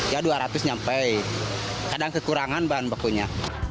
ya dua ratus nyampe kadang kekurangan bahan bakunya